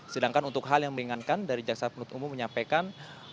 sedangkan untuk hal yang meringankan dari jaksa penutup umum menyampaikan